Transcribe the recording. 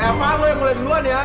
eh apaan lo yang mulai duluan ya